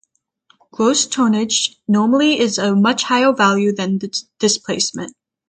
Gross tonnage normally is a much higher value than displacement.